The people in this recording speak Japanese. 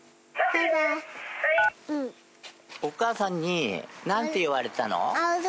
お母さんに何て言われたの？